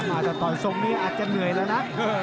อาจจะต่อยทรงนี้อาจจะเหนื่อยแล้วนะ